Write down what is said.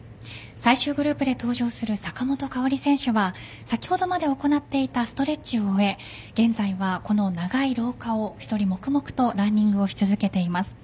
最終グループで登場する坂本花織選手は先ほどまで行っていたストレッチを終え現在は、この長い廊下を１人黙々とランニングをし続けています。